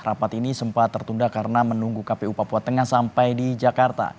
rapat ini sempat tertunda karena menunggu kpu papua tengah sampai di jakarta